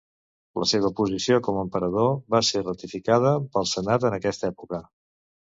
La seva posició com a emperador va ser ratificada pel Senat en aquesta època.